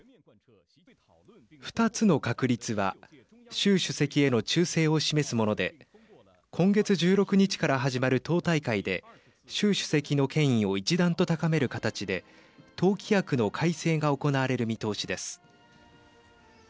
２つの確立は習主席への忠誠を示すもので今月１６日から始まる党大会で習主席の権威を一段と高める形で党規約の改正が行われる見通しです。